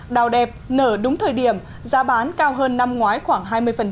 đào đẹp nở đúng thời điểm giá bán cao hơn năm ngoái khoảng hai mươi